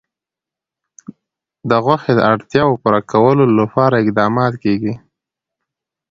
د غوښې د اړتیاوو پوره کولو لپاره اقدامات کېږي.